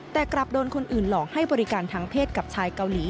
แต่กลับโดนคนอื่นหลอกให้บริการทางเพศกับชายเกาหลี